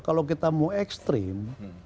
kalau kita mau ekstrim